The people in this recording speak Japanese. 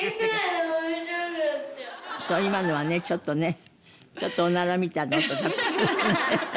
そう今のはねちょっとねちょっとおならみたいな音だったもんね。